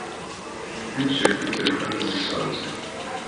biciye kuri telefoni zisanzwe